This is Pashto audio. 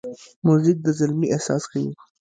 موزیک د زلمي احساس ښيي.